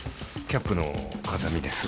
キャップの風見です。